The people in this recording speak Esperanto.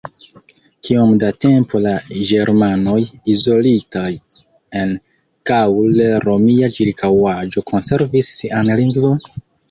Kiom da tempo la Ĝermanoj izolitaj en gaŭl-romia ĉirkaŭaĵo konservis sian lingvon?